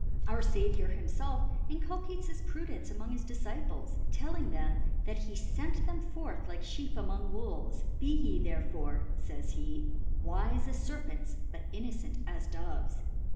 Our Saviour himfelf inculcates this Pru dence an:K)ng his Diiiciples, telling theh^ that he fent tbem forth like Sheep among JVolves : Be ye tbertfore^ feys he, wife as SerfeniSj but inneanias Do^s.